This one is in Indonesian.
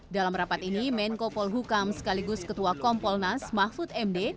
dalam rapat ini menko polhukam sekaligus ketua kompolnas mahfud md